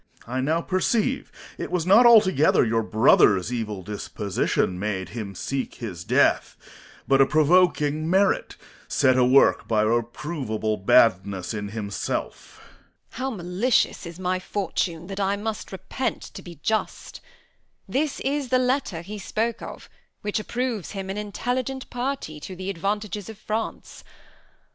Corn. I now perceive it was not altogether your brother's evil disposition made him seek his death; but a provoking merit, set awork by a reproveable badness in himself. Edm. How malicious is my fortune that I must repent to be just! This is the letter he spoke of, which approves him an intelligent party to the advantages of France.